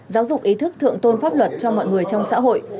giáo dục ý thức thượng tôn pháp luật cho mọi người trong xã hội